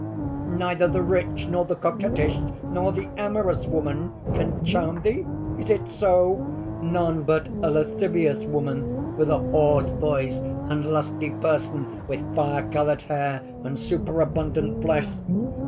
neither the rich, nor the coquettish, nor the amorous woman can charm thee: is it so? None but a lascivious woman, with a hoarse voice and lusty person, with fire colored hair and superabundant flesh?